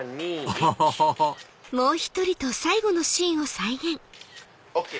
アハハハハＯＫ！